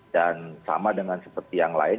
dan sama dengan seperti yang lain